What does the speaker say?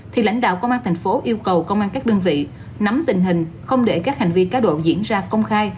thì lãnh đạo công an thành phố yêu cầu công an các đơn vị nắm tình hình không để các hành vi cá độ diễn ra công khai